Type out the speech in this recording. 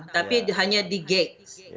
tapi hanya di gate